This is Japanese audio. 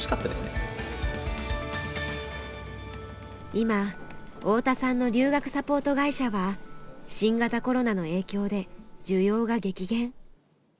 今太田さんの留学サポート会社は新型コロナの影響で需要が激減。